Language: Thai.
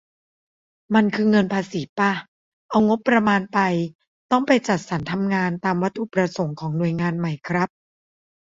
มันคือเงินภาษีป่ะ เอางบประมาณไป ต้องไปจัดสรรทำงานตามวัตถุประสงค์ของหน่วยงานไหมครับ